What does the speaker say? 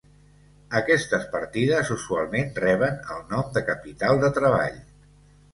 Aquestes partides usualment reben el nom de capital de treball.